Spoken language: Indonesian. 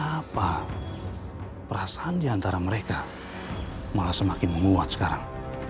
apa perasaan diantara mereka malah semakin menguat sekarang